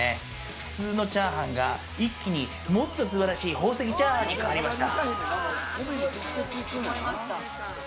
普通のチャーハンが一気にもっと素晴らしい宝石チャーハンに変わりました。